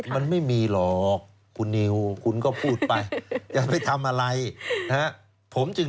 ส่งภาษีอะไรหรือเปล่ามันกระทันหรือเปล่าคุณชุภิษฐาน